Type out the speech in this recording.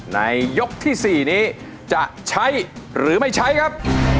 ในยกที่๔นี้จะใช้หรือไม่ใช้ครับ